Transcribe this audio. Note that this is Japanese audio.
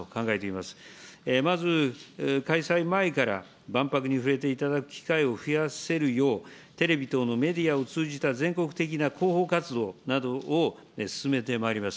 まず開催前から、万博に触れていただく機会を増やせるよう、テレビ等のメディアを通じた全国的な広報活動などを進めてまいります。